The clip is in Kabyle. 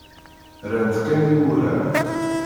Rran-tt kan i wurar.